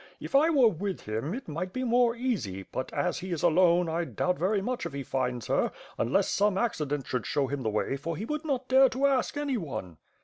If I were with him, it might be more easy; but as he is alone, I doubt very much if he finds her, unless some accident should show him the w^ay, for he would not dare to ask any one."